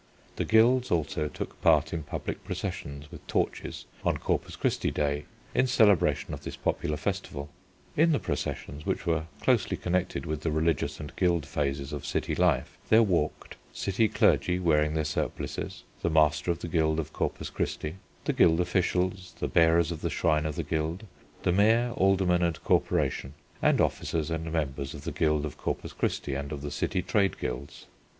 The guilds also took part in public processions with torches on Corpus Christi Day in celebration of this popular festival. In the processions, which were closely connected with the religious and guild phases of city life, there walked city clergy wearing their surplices, the master of the Guild of Corpus Christi, the guild officials, the bearers of the shrine of the guild, the mayor, aldermen and corporation, and officers and members of the Guild of Corpus Christi and of the city trade guilds.